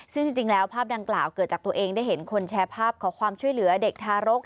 ซึ่งจริงแล้วภาพดังกล่าวเกิดจากตัวเองได้เห็นคนแชร์ภาพขอความช่วยเหลือเด็กทารก